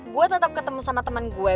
gue tetap ketemu sama teman gue